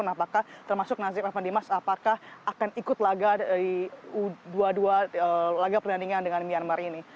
apakah termasuk nasib evan dimas apakah akan ikut laga di u dua puluh dua laga pertandingan dengan myanmar ini